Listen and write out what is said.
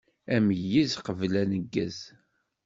Ameyyez qbel aneggez.